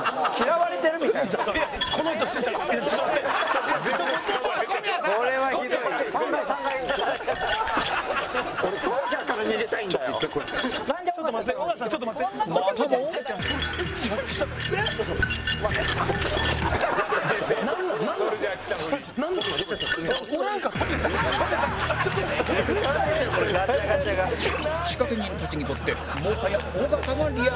仕掛人たちにとってもはや尾形がリアルハンター